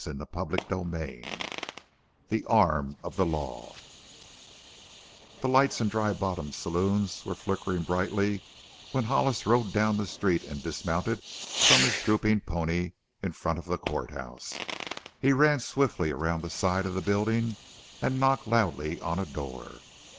CHAPTER XXIX THE ARM OF THE LAW The lights in Dry Bottom's saloons were flickering brightly when Hollis rode down the street and dismounted from his drooping pony in front of the court house. He ran stiffly around the side of the building and knocked loudly on a door.